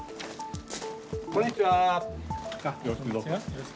こんにちは。